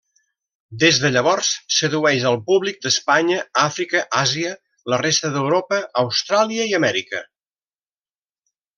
Des de llavors, sedueix al públic d'Espanya, Àfrica, Àsia, la resta d'Europa, Austràlia i Amèrica.